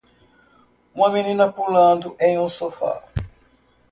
Uma menina pulando em um sofá.